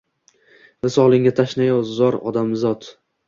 Visolingga tashnayu zor odamizot.